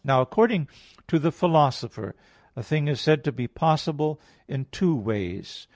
Now according to the Philosopher (Metaph. v, 17), a thing is said to be possible in two ways.